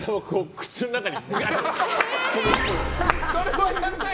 口の中に。